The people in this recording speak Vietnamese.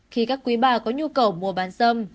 khi các quý bà có nhu cầu mua bán dâm